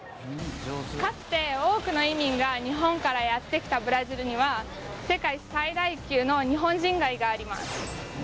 かつて多くの移民が日本からやって来たブラジルには世界最大級の日本人街があります。